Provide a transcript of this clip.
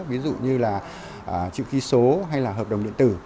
ví dụ như là chữ ký số hay là hợp đồng điện tử